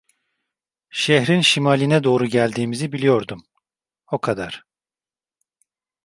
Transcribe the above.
Şehrin şimaline doğru geldiğimizi biliyordum, o kadar.